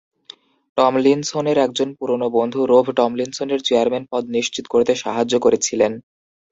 টমলিনসনের একজন পুরনো বন্ধু রোভ টমলিনসনের চেয়ারম্যান পদ নিশ্চিত করতে সাহায্য করেছিলেন।